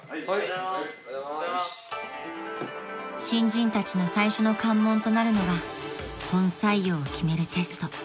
［新人たちの最初の関門となるのが本採用を決めるテスト］